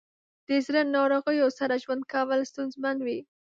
د زړه ناروغیو سره ژوند کول ستونزمن وي.